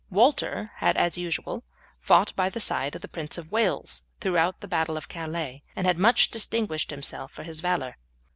Walter had as usual fought by the side of the Prince of Wales throughout the battle of Calais and had much distinguished himself for his valour.